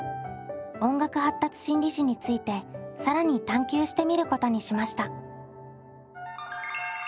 音楽発達心理士について更に探究してみることにしました。